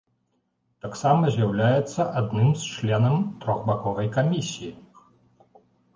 Таксама з'яўляецца адным з членам трохбаковай камісіі.